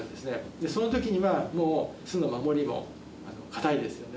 でそのときにはもう巣の守りも堅いですよね。